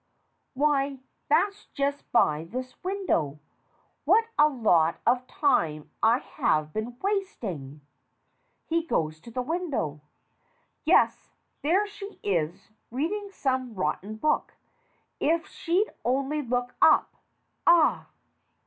Why, that's just by this window. What a lot of time I have been wasting ! (He goes to the window'). Yes, there she is, reading some rotten book. If she'd only look up ah!